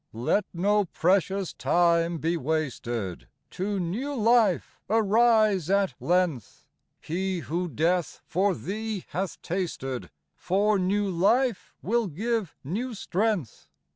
Let no precious time be wasted, To new life arise at length, He who death for thee hath tasted, For new life will give new strength.